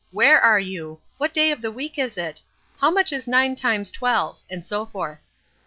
Where are you? What day of the week is it? How much is nine times twelve?" and so forth.